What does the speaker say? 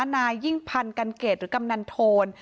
นายยิ่งพันธ์กันเกตหรือกำนันโทน